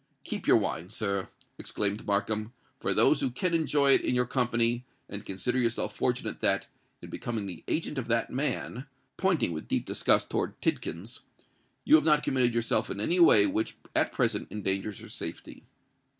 "Keep your wine, sir," exclaimed Markham, "for those who can enjoy it in your company; and consider yourself fortunate that, in becoming the agent of that man,"—pointing with deep disgust towards Tidkins,—"you have not committed yourself in any way which at present endangers your safety.